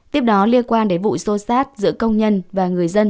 tiếp đó liên quan đến vụ xô xát giữa công nhân và người dân